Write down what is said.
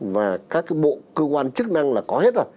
và các cái bộ cơ quan chức năng là có hết rồi